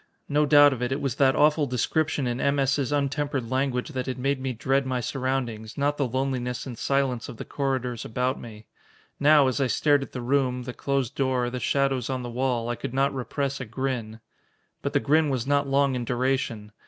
No doubt of it, it was that awful description in M. S.'s untempered language that had made me dread my surroundings, not the loneliness and silence of the corridors about me. Now, as I stared at the room, the closed door, the shadows on the wall, I could not repress a grin. But the grin was not long in duration.